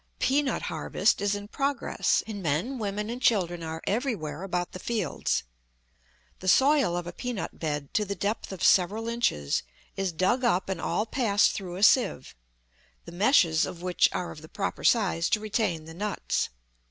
Peanut harvest is in progress, and men, women, and children are everywhere about the fields. The soil of a peanut bed to the depth of several inches is dug up and all passed through a sieve, the meshes of which are of the proper size to retain the nuts.